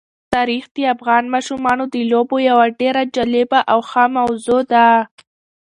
تاریخ د افغان ماشومانو د لوبو یوه ډېره جالبه او ښه موضوع ده.